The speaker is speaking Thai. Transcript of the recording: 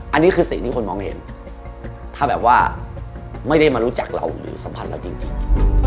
อันนี้คือสิ่งที่คนมองเห็นถ้าแบบว่าไม่ได้มารู้จักเราหรือสัมพันธ์เราจริง